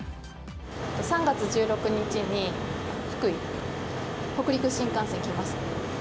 ３月１６日に、福井に北陸新幹線来ます。